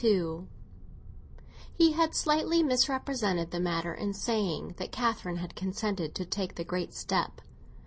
XXII HE had slightly misrepresented the matter in saying that Catherine had consented to take the great step.